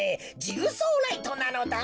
ジグソーライトなのだ。